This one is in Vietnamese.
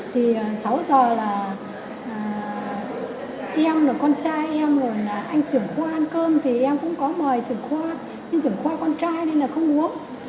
thì sáu giờ là em rồi con trai em rồi là anh trưởng khoa ăn cơm thì em cũng có mời trưởng khoa nhưng trưởng khoa con trai nên là không uống